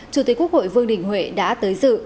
chủ tịch quốc hội vương đình huệ đã tới dự